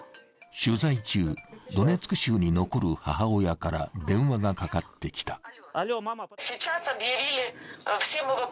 取材中、ドネツク州に残る母親から電話がかかってきた。